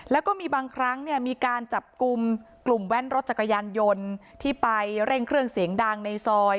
แล้วก็มีบางครั้งเนี่ยมีการจับกลุ่มกลุ่มแว่นรถจักรยานยนต์ที่ไปเร่งเครื่องเสียงดังในซอย